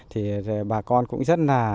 thì bà con cũng rất là